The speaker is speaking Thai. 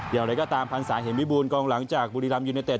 อย่างไรก็ตามภาษาเห็นวิบูลกองหลังจากบุรีรัมย์ยูเนเตศ